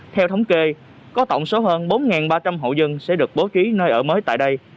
theo thống kê có tổng số hơn bốn ba trăm linh hộ dân sẽ được bố trí nơi ở mới tại đây